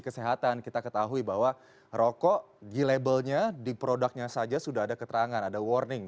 kesehatan kita ketahui bahwa rokok di labelnya di produknya saja sudah ada keterangan ada warning